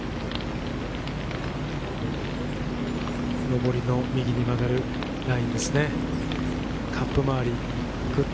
上りの右に曲がるラインですね。